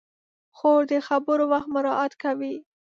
خور د خبرو وخت مراعت کوي.